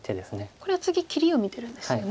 これは次切りを見てるんですよね。